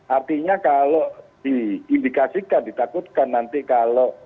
artinya kalau diindikasikan ditakutkan nanti kalau